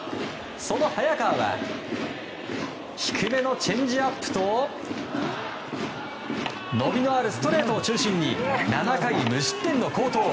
早川は低めのチェンジアップと伸びのあるストレートを中心に７回無失点の好投。